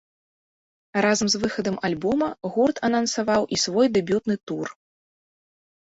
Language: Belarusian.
Разам з выхадам альбома гурт анансаваў і свой дэбютны тур.